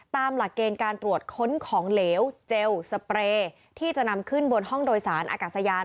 ตามหลักเกณฑ์การตรวจค้นของเหลวเจลสเปรย์ที่จะนำขึ้นบนห้องโดยสารอากาศยาน